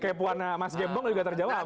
kepuannya mas gembong juga terjawab